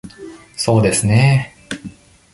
そうですね。